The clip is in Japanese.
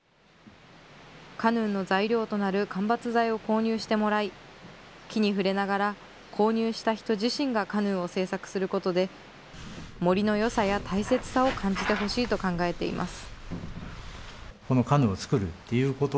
カヌーの材料となる間伐材を購入してもらい、木に触れながら、購入した人自身がカヌーを制作することで、森のよさや大切さを感じてほしいと考えています。